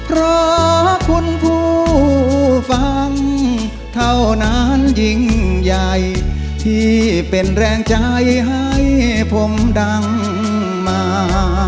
เพราะคุณผู้ฟังเท่านั้นยิ่งใหญ่ที่เป็นแรงใจให้ผมดังมา